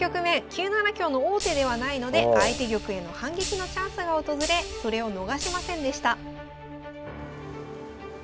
９七香の王手ではないので相手玉への反撃のチャンスが訪れそれを逃しませんでした。